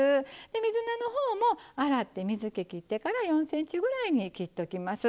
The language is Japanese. で水菜の方も洗って水けきってから４ｃｍぐらいに切っときます。